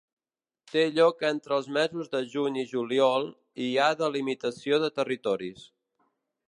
Té lloc entre els mesos de juny i juliol, i hi ha delimitació de territoris.